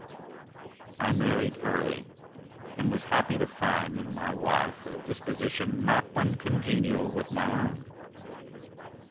I married early, and was happy to find in my wife a disposition not uncongenial with my own.